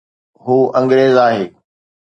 هو انگريز آهي